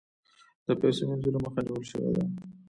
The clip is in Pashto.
د پیسو مینځلو مخه نیول شوې ده؟